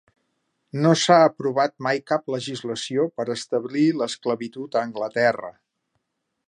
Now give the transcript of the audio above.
No s'ha aprovat mai cap legislació per establir l'esclavitud a Anglaterra.